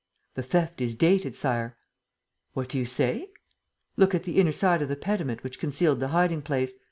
"The theft is dated, Sire." "What do you say?" "Look at the inner side of the pediment which concealed the hiding place.